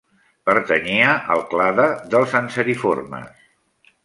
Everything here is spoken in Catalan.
Pertanyia al clade dels anseriformes.